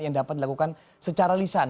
yang dapat dilakukan secara lisan